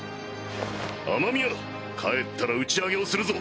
雨宮帰ったら打ち上げをするぞ。